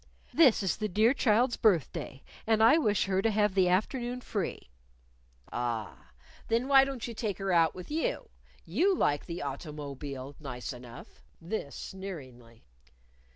"This is the dear child's birthday, and I wish her to have the afternoon free." "A a ah! Then why don't you take her out with you? You like the auto_mo_bile nice enough," this sneeringly.